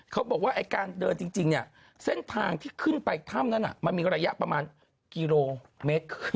เขาบอกว่าไอ้การเดินจริงเนี่ยเส้นทางที่ขึ้นไปถ้ำนั้นมันมีระยะประมาณกิโลเมตร